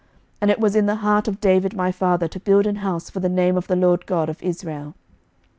11:008:017 And it was in the heart of David my father to build an house for the name of the LORD God of Israel.